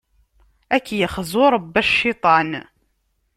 Ad k-yexzu Rebbi a cciṭan!